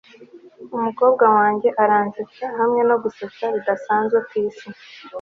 umukobwa wanjye aransetsa hamwe no gusetsa bidasanzwe ku isi